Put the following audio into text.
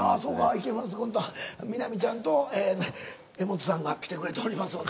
池松君と美波ちゃんと柄本さんが来てくれておりますので。